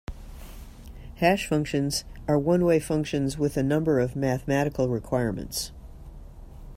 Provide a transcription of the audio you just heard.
Hash functions are one-way functions with a number of mathematical requirements.